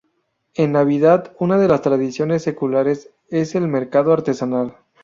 En Navidad, una de las tradiciones seculares es el mercado artesanal.